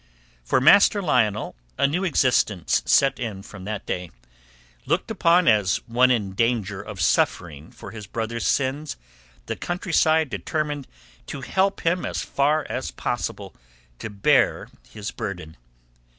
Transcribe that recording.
For Master Lionel a new existence set in from that day. Looked upon as one in danger of suffering for his brother's sins, the countryside determined to help him as far as possible to bear his burden.